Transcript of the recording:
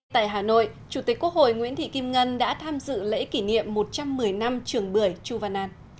tại hà nội chủ tịch quốc hội nguyễn thị kim ngân đã tham dự lễ kỷ niệm một trăm một mươi năm trường bưởi chu văn an